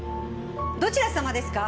どちら様ですか？